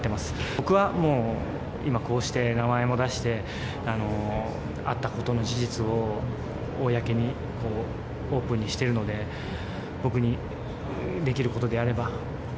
僕はもう今、こうして名前も出して、あったことの事実を公にオープンにしているので、僕にできることであれば。